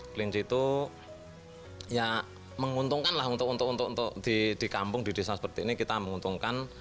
kelenci itu menguntungkan untuk di kampung di desa seperti ini kita menguntungkan